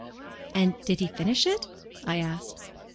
"And did he finish it?" I asked.